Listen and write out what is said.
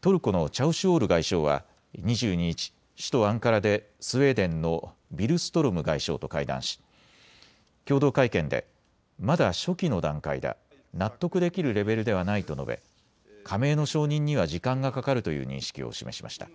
トルコのチャウシュオール外相は２２日、首都アンカラでスウェーデンのビルストロム外相と会談し共同会見でまだ初期の段階だ納得できるレベルではないと述べ加盟の承認には時間がかかるという認識を示しました。